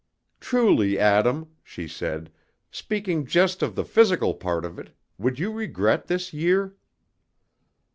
"Truly, Adam," she said, "speaking just of the physical part of it, would you regret this year?"